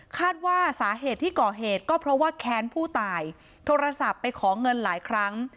คาดว่าสาเหตุที่ก่อเหตุก็เพราะว่าแค้นผู้ตายโทรศัพท์ไปขอเงินหลายครั้ง